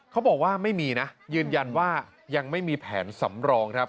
เขาบอกว่าไม่มีนะยืนยันว่ายังไม่มีแผนสำรองครับ